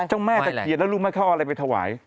เจ้าแม่ตะเคียนแล้วรู้ไหมเขาเอาอะไรไปถวาย